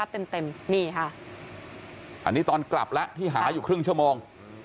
อันนี้ตอนกลับแล้วที่หาอยู่ครึ่งชั่วโมง